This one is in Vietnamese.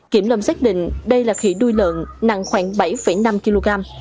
kiểm lâm xác định đây là khỉ đuôi lợn nặng khoảng bảy năm kg